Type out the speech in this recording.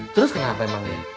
terus kenapa emangnya